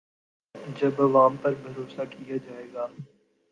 جب عوام پر بھروسہ کیا جائے گا۔